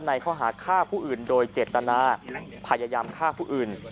ในข้อหาฆ่าผู้อื่นโดยเจตนาพยายามฆ่าผู้อื่น